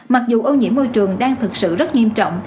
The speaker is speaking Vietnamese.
mặc dù ô nhiễm môi trường đang thực sự rất nghiêm trọng